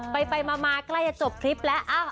ไปมาใกล้จะจบคลิปแล้ว